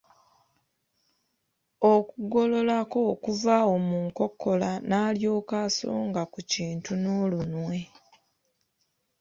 Agugololako kuva awo mu nkokola nalyoka asonga ku kintu n'olunwe.